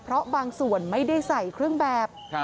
เพราะบางส่วนไม่ได้ใส่เครื่องแบบ